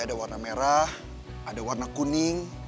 ada warna merah ada warna kuning